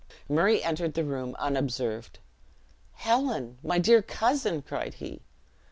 Murray entered the room unobserved. "Helen! my dear cousin!" cried he.